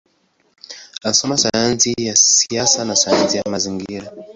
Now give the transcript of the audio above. Alisoma sayansi ya siasa na sayansi ya mazingira.